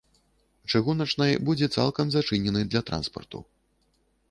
Чыгуначнай будзе цалкам зачынены для транспарту.